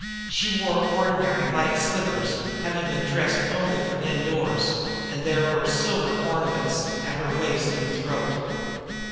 She wore ordinary light slippers, having been dressed only for indoors. And there were silver ornaments at waist and throat.